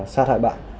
sát hại bạn